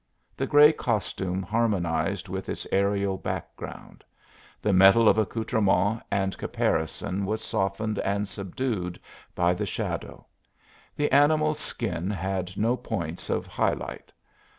The gray costume harmonized with its aërial background; the metal of accoutrement and caparison was softened and subdued by the shadow; the animal's skin had no points of high light.